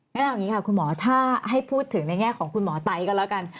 งั้นเอาอย่างนี้ค่ะคุณหมอถ้าให้พูดถึงในแง่ของคุณหมอไต้ก็แล้วกัน